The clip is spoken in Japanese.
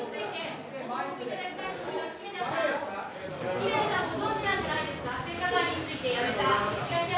東山さんご存じなんじゃないですか？